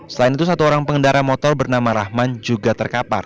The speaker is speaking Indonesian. selain itu satu orang pengendara motor bernama rahman juga terkapar